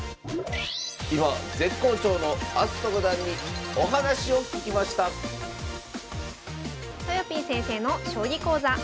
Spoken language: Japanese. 今絶好調の明日斗五段にお話を聞きましたとよぴー先生の将棋講座。